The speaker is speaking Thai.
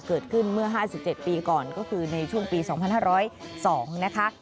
เกิดขึ้นเมื่อ๕๗ปีก่อนก็คือในช่วงปี๒๕๐๒นะคะ